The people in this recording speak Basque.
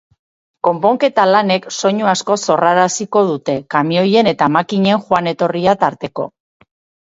Konponketa lanek soinu asko sorraraziko dute, kamioien eta makinen joan-etorria tarteko.